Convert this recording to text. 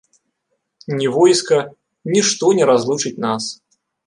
Ні войска, нішто не разлучыць нас.